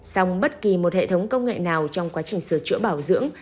xong bất kỳ một hệ thống công nghệ nào trong quá trình sửa chữa bảo dưỡng